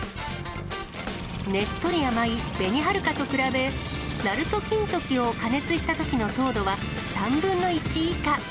ねっとり甘いべにはるかと比べ、なると金時を加熱したときの糖度は、３分の１以下。